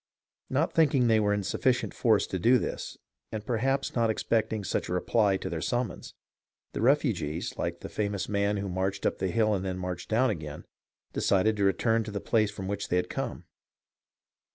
Not thinking they were in sufficient force to do this, and perhaps not expecting such a reply to their summons, the refugees, like the famous man who marched up the hill and then marched down again, decided to return to the place from which they had come.